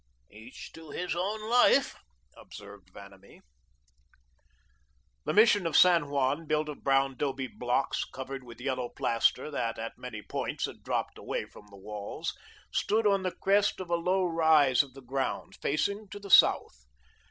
"Each to his own life," observed Vanamee. The Mission of San Juan, built of brown 'dobe blocks, covered with yellow plaster, that at many points had dropped away from the walls, stood on the crest of a low rise of the ground, facing to the south.